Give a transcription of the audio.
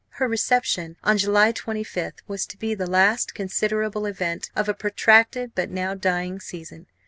Her reception on July 25 was to be the last considerable event of a protracted but now dying season.